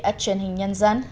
at chuyên hình nhân dân